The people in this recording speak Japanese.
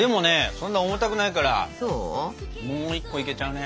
そんな重たくないからもう一個いけちゃうね。